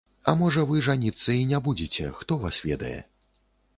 А можа вы жаніцца і не будзеце, хто вас ведае?